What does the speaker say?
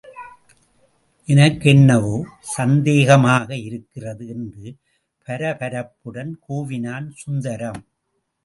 எனக்கென்னவோ சந்தேகமாக இருக்கிறது என்று பரபரப்புடன் கூவினான் சுந்தரம்.